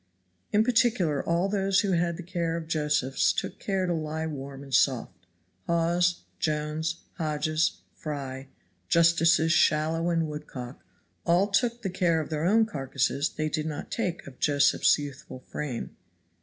In particular all those who had the care of Josephs took care to lie warm and soft. Hawes, Jones, Hodges, Fry, Justices Shallow and Woodcock, all took the care of their own carcasses they did not take of Josephs' youthful frame.